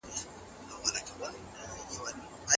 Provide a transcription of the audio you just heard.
سياستپوهنه د سياسي قدرت ساتل هم ښيي.